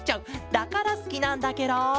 だからすきなんだケロ！